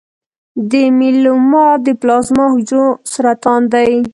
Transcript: د میلوما د پلازما حجرو سرطان دی.